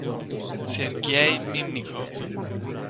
Sergej Myl'nikov